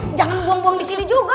eh jangan buang buang disini juga